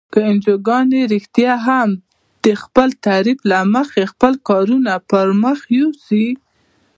که انجوګانې رښتیا هم د خپل تعریف له مخې خپل کارونه پرمخ یوسي.